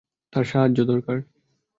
তার সাহায্য দরকার।